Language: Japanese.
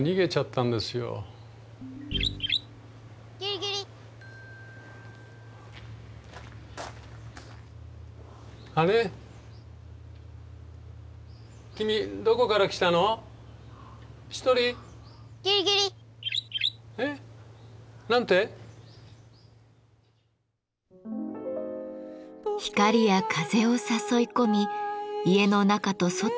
光や風を誘い込み家の中と外をつなぐ「窓」。